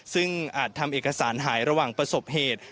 ซึ่งอาจทำเอกสารหายระหว่างประสบเหตุ